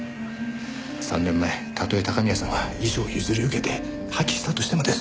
３年前たとえ高宮さんが遺書を譲り受けて破棄したとしてもです。